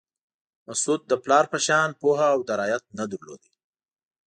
مسعود د پلار په شان پوهه او درایت نه درلود.